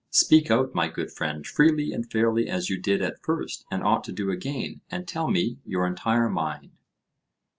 Speak out, my good friend, freely and fairly as you did at first and ought to do again, and tell me your entire mind.